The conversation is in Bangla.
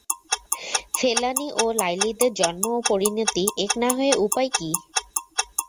ফেলানী ও লাইলীদের জন্ম ও পরিণতি এক না হয়ে উপায় কী?